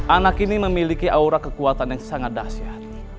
anak ini memiliki aura kekuatan yang sangat dahsyat